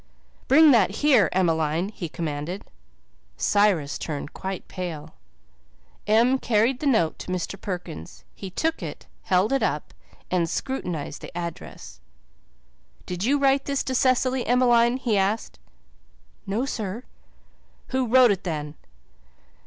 "Bring that here, Emmeline," he commanded. Cyrus turned quite pale. Em carried the note to Mr. Perkins. He took it, held it up, and scrutinized the address. "Did you write this to Cecily, Emmeline?" he asked. "No, sir." "Who wrote it then?"